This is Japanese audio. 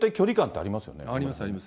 あります、あります。